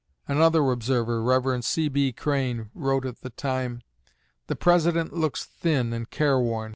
Another observer, Rev. C.B. Crane, wrote at the time: "The President looks thin and careworn.